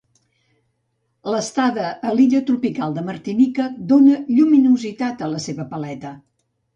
L'estada a l'illa tropical de la Martinica dóna lluminositat a la seva paleta.